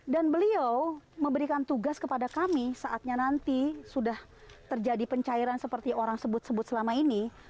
dan beliau memberikan tugas kepada kami saatnya nanti sudah terjadi pencairan seperti orang sebut sebut selama ini